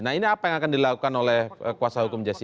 nah ini apa yang akan dilakukan oleh kuasa hukum jessica